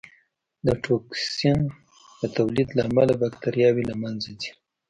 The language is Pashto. د ټوکسین د تولید له امله بکټریاوې له منځه ځي.